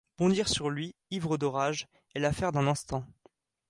Bondir sur lui, ivre de rage, est l’affaire d’un instant.